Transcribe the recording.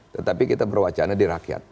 tetapi kita berwacana di rakyat